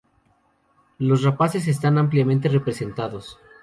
Los rapaces están ampliamente representados.